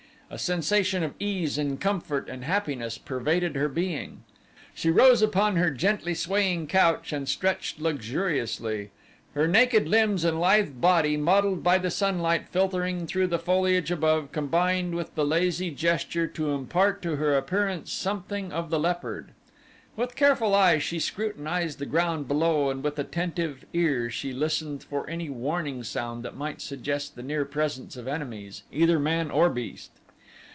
A sensation of ease and comfort and happiness pervaded her being. She rose upon her gently swaying couch and stretched luxuriously, her naked limbs and lithe body mottled by the sunlight filtering through the foliage above combined with the lazy gesture to impart to her appearance something of the leopard. With careful eye she scrutinized the ground below and with attentive ear she listened for any warning sound that might suggest the near presence of enemies, either man or beast.